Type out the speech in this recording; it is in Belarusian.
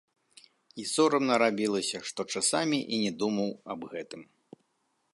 І сорамна рабілася, што часамі і не думаў аб гэтым.